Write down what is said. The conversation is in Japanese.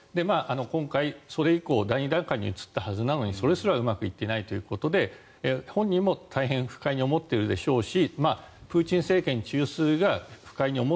今回、それ以降第２段階に移ったはずなのにそれすらうまくいっていないということで本人も大変不快に思っているでしょうし